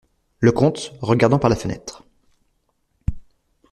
Le comte , regardant par la fenêtre.